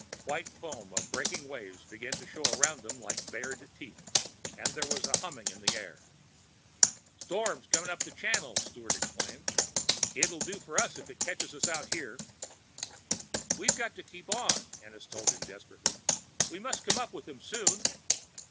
White foam of breaking waves began to show around them like bared teeth, and there was a humming in the air. "Storm coming up the Channel," Sturt exclaimed. "It'll do for us if it catches us out here." "We've got to keep on," Ennis told him desperately. "We must come up with them soon!"